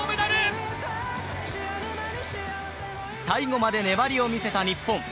最後まで粘りを見せた日本。